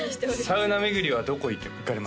サウナ巡りはどこ行かれますか？